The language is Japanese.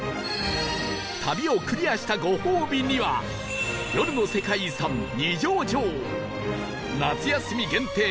旅をクリアしたご褒美には夜の世界遺産二条城夏休み限定